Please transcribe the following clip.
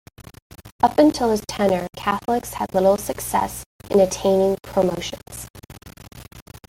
Up until his tenure, Catholics had little success in attaining promotions.